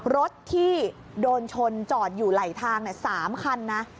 รถที่โดนชนจอดอยู่ไหลทาง๓คันนะ